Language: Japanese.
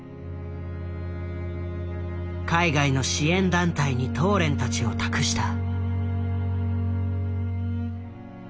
海外の支援団体にトーレンたちを託した。